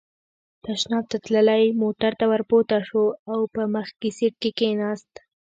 تشناب ته تللی، موټر ته ور پورته شو او په مخکې سېټ کې کېناست.